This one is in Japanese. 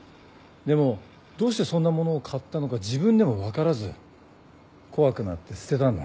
でもどうしてそんな物を買ったのか自分でも分からず怖くなって捨てたんだ。